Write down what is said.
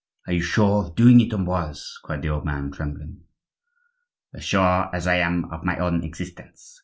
"Are you sure of doing it, Ambroise?" cried the old man, trembling. "As sure as I am of my own existence.